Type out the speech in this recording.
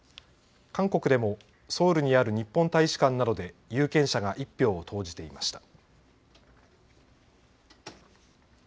韓国でもソウルにある日本大使館などで有権者が１票を投じていました。